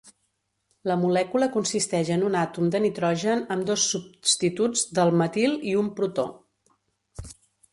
La molècula consisteix en un àtom de nitrogen amb dos substituts del metil i un protó.